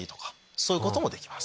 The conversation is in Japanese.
そういうこともできます。